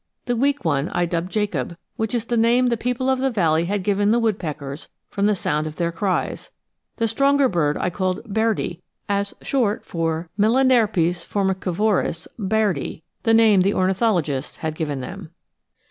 The weak one I dubbed Jacob, which is the name the people of the valley had given the woodpeckers from the sound of their cries; the stronger bird I called Bairdi, as 'short' for Melanerpes formicivorus bairdi the name the ornithologists had given them.